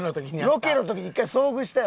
ロケの時に１回遭遇したよな？